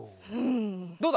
どうだ？